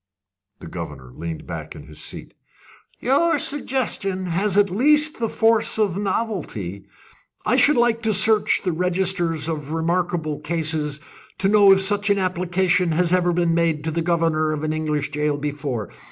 The governor leaned back in his seat. "Your suggestion has at least the force of novelty. I should like to search the registers of remarkable cases, to know if such an application has ever been made to the governor of an English jail before.